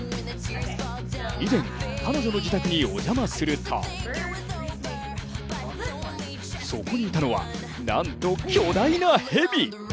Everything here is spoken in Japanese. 以前、彼女の自宅にお邪魔するとそこにいたのは、なんと巨大なヘビ！